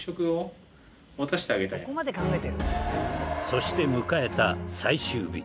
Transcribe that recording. そして迎えた最終日。